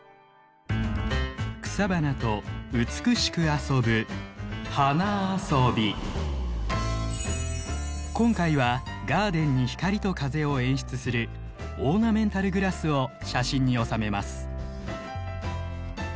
草花と美しく遊ぶ今回はガーデンに光と風を演出するオーナメンタルグラスを写真に収めます。